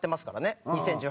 ２０１８年。